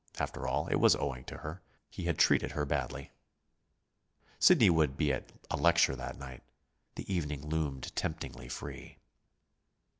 After all, it was owing to her. He had treated her badly. Sidney would be at a lecture that night. The evening loomed temptingly free.